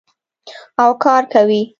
او کار کوي.